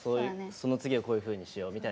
その次をこういうふうにしようみたいな。